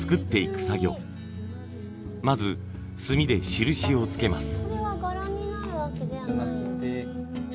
まず墨で印をつけます。